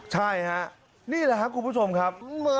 ใช่ฮะนี่แหละครับคุณผู้ชมครับ